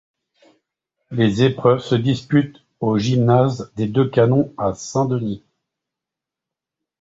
Les épreuves se disputent au gymnase des Deux-Canons à Saint-Denis.